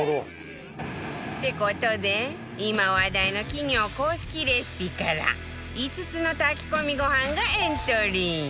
って事で今話題の企業公式レシピから５つの炊き込みご飯がエントリー